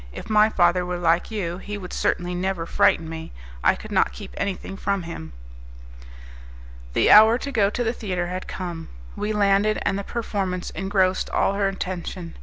If my father were like you, he would certainly never frighten me; I could not keep anything from him." The hour to go to the theatre had come; we landed, and the performance engrossed all her attention.